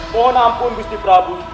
mohon ampun gusti prabu